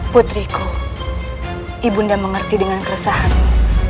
putriku ibu nda mengerti dengan keresahanku